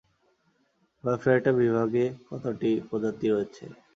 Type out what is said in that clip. Bryophyta বিভাগে কতটি প্রজাতি রয়েছে?